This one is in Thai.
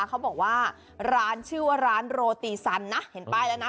เขาบอกว่าร้านชื่อว่าร้านโรตีซันนะเห็นป้ายแล้วนะ